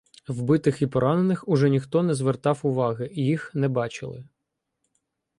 вбитих і поранених уже ніхто не звертав уваги, їх не бачили.